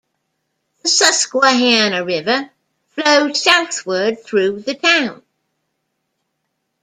The Susquehanna River flows southward through the town.